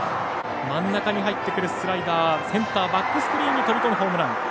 真ん中に入ってくるスライダーセンターバックスクリーンに飛び込むホームラン。